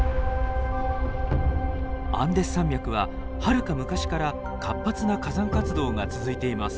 アンデス山脈ははるか昔から活発な火山活動が続いています。